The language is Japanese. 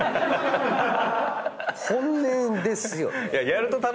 本音ですよね。